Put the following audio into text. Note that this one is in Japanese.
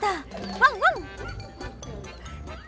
ワンワン！